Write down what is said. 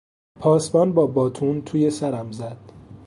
پاسبان با باتون توی سرم زد.